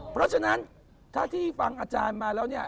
เพราะฉะนั้นถ้าที่ฟังอาจารย์มาแล้วเนี่ย